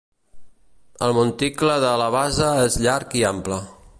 El monticle de la base és llarg i ample.